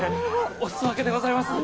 お裾分けでございます。